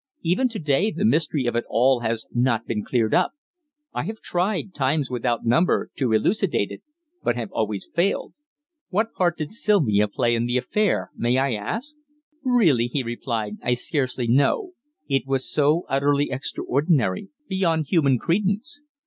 "Even to day, the mystery of it all has not been cleared up. I have tried, times without number, to elucidate it, but have always failed." "What part did Sylvia play in the affair, may I ask?" "Really," he replied, "I scarcely know. It was so utterly extraordinary beyond human credence."